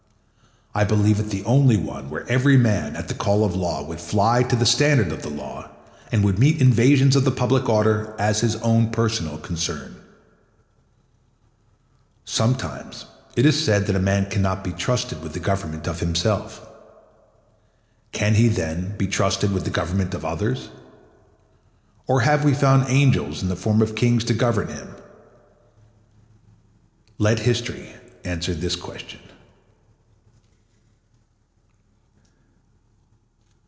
I believe it the only one where every man, at the call of the law, would fly to the standard of the law, and would meet invasions of the public order as his own personal concern. Sometimes it is said that man can not be trusted with the government of himself. Can he, then, be trusted with the government of others? Or have we found angels in the forms of kings to govern him? Let history answer this question.